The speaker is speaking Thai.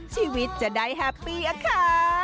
ชีวิตจะได้แฮปปี้อะค่ะ